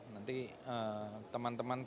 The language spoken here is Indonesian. nanti teman teman ketemu